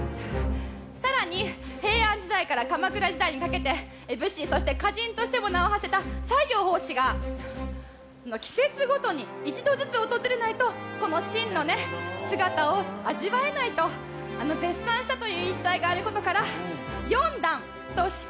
更に平安時代から鎌倉時代にかけて武士、そして歌人としても名をはせた西行法師が季節ごとに一度ずつ訪れないとこの真の姿を味わえないと絶賛したという言い伝えがあることから４段、そして四季